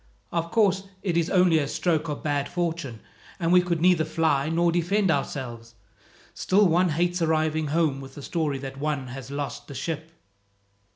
"Of course, it is only a stroke of bad fortune, and we could neither fly nor defend ourselves. Still one hates arriving home with the story that one has lost the ship."